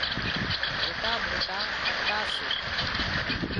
موٽا موٽا پٽا سي